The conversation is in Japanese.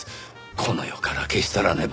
この世から消し去らねば。